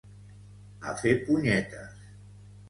A fer punyetes